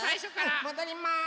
うんもどります。